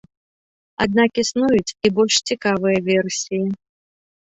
Аднак існуюць і больш цікавыя версіі.